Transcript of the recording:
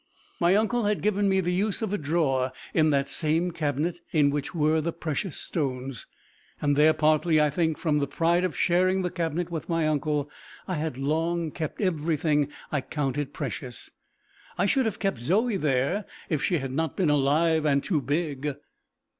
My uncle had given me the use of a drawer in that same cabinet in which were the precious stones; and there, partly, I think, from the pride of sharing the cabinet with my uncle, I had long kept everything I counted precious: I should have kept Zoe there if she had not been alive and too big!